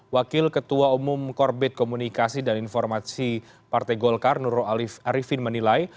wakil ketua umum korbit komunikasi dan informasi partai golkar nurul arifin menilai